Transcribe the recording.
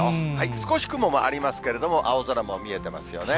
少し雲もありますけれども、青空も見えてますよね。